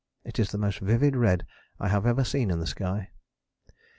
It is the most vivid red I have ever seen in the sky."